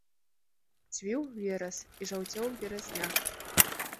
Цвіў верас, і жаўцеў беразняк.